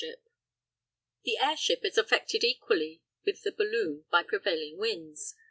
See Chapter IV.] The airship is affected equally with the balloon by prevailing winds.